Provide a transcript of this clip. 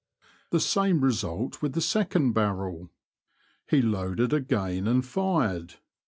The same result with the second barrel. He loaded again and fired.